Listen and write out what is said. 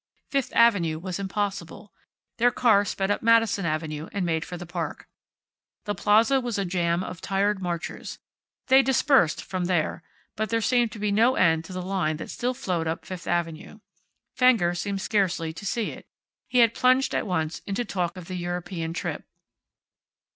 Fifth avenue was impossible. Their car sped up Madison avenue, and made for the Park. The Plaza was a jam of tired marchers. They dispersed from there, but there seemed no end to the line that still flowed up Fifth avenue. Fenger seemed scarcely to see it. He had plunged at once into talk of the European trip.